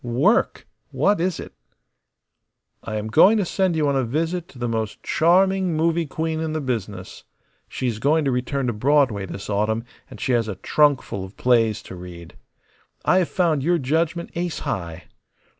"Work! What is it?" "I am going to send you on a visit to the most charming movie queen in the business. She is going to return to Broadway this autumn, and she has a trunkful of plays to read. I have found your judgment ace high.